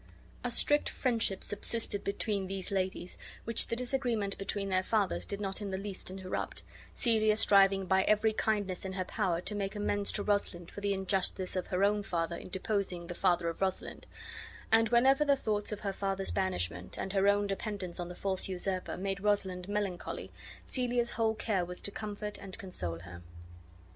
A strict friendship subsisted between these ladies, which the disagreement between their fathers did not in the least interrupt, Celia striving by every kindness in her power to make amends to Rosalind for the injustice of her own father in deposing the father of Rosalind; and whenever the thoughts of her father's banishment, and her own dependence on the false usurper, made Rosalind melancholy, Celia's whole care was to comfort and console her.